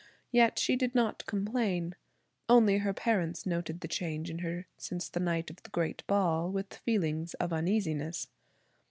Yet she did not complain, only her parents noted the change in her since the night of the great ball, with feelings of uneasiness.